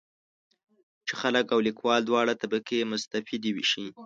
چې خلک او لیکوال دواړه طبقې مستفیدې شي.